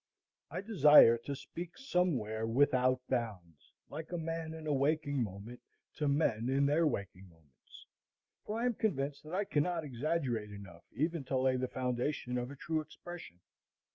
I desire to speak somewhere without bounds; like a man in a waking moment, to men in their waking moments; for I am convinced that I cannot exaggerate enough even to lay the foundation of a true expression.